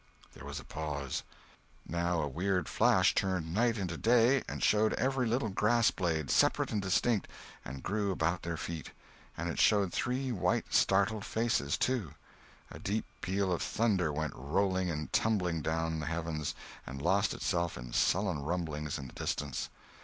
There was a pause. Now a weird flash turned night into day and showed every little grassblade, separate and distinct, that grew about their feet. And it showed three white, startled faces, too. A deep peal of thunder went rolling and tumbling down the heavens and lost itself in sullen rumblings in the distance.